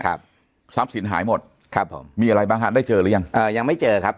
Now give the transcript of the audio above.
ครับทรัพย์สินหายหมดครับผมมีอะไรบ้างฮะได้เจอหรือยังเอ่อยังไม่เจอครับ